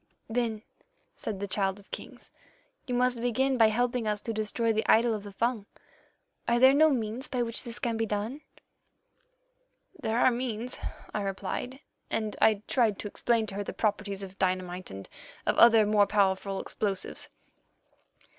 "'Then,' said the Child of Kings, 'you must begin by helping us to destroy the idol of the Fung. Are there no means by which this can be done?' "'There are means,' I replied, and I tried to explain to her the properties of dynamite and of other more powerful explosives.